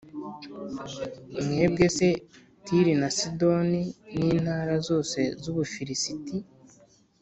Mwebwe se, Tiri na Sidoni, n’intara zose z’Ubufilisiti,